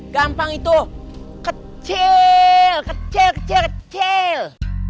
gampang itu kecil kecil kecil kecil